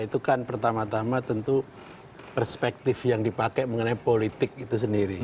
itu kan pertama tama tentu perspektif yang dipakai mengenai politik itu sendiri